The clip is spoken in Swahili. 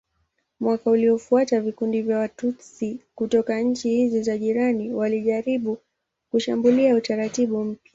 Mwaka uliofuata vikundi vya Watutsi kutoka nchi hizi za jirani walijaribu kushambulia utaratibu mpya.